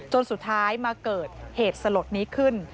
จนสุดท้ายมาเกิดเหตุสลดนี้ขึ้น